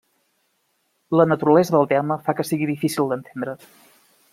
La naturalesa del terme fa que sigui difícil d'entendre.